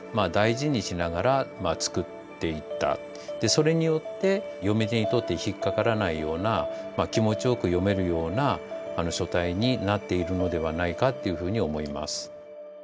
それによって読み手にとって引っ掛からないような気持ちよく読めるような書体になっているのではないかっていうふうに思います。